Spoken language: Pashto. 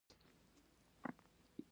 دواړو ښځو ته په یوه اندازه ناز ورکئ.